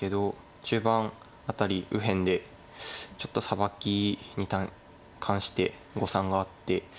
中盤あたり右辺でちょっとサバキに関して誤算があって。